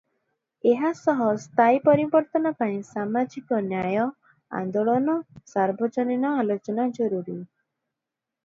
ଏହା ସହ ସ୍ଥାୟୀ ପରିବର୍ତ୍ତନ ପାଇଁ ସାମାଜିକ ନ୍ୟାୟ ଆନ୍ଦୋଳନ, ସାର୍ବଜନୀନ ଆଲୋଚନା ଜରୁରୀ ।